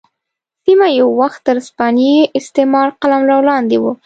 سیمه یو وخت تر هسپانوي استعمار قلمرو لاندې وه.